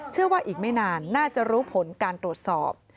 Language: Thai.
เชื่อว่าอีกไม่นานน่าจะรู้ผลการตรวจสอบ